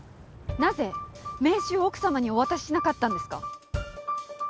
なぜ名刺を奥様にお渡ししなかったんですか？